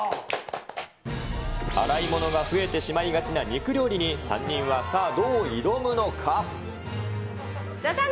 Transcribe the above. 洗いものが増えてしまいがちな肉料理に、３人はさあ、どう挑じゃじゃん！